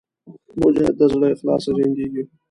مجاهد د زړه له اخلاصه جنګېږي.